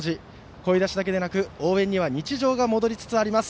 声出しだけではなく応援には日常が戻りつつあります。